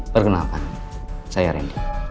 perkenalkan saya randy